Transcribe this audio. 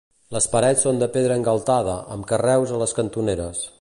Les parets són de pedra engaltada, amb carreus a les cantoneres.